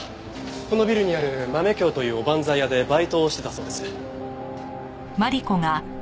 このビルにあるまめ京というおばんざい屋でバイトをしてたそうです。